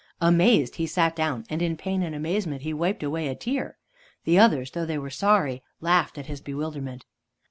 Amazed he sat down, and in pain and amazement he wiped away a tear. The others, though they were sorry, laughed at his bewilderment.